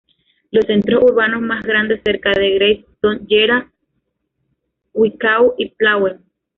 Los centros urbanos más grandes cerca de "Greiz" son Gera, Zwickau y Plauen.